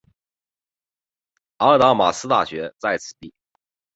阿达玛斯大学在此地。